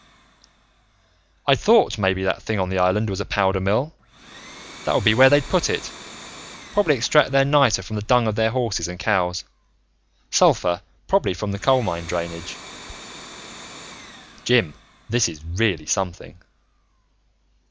"I'd thought maybe that thing on the island was a powder mill. That would be where they'd put it. Probably extract their niter from the dung of their horses and cows. Sulfur probably from coal mine drainage. "Jim, this is really something!"